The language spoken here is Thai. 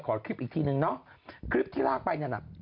ขอคลิปอีกทีนึงเนาะคลิปที่ลากไปนั่นน่ะ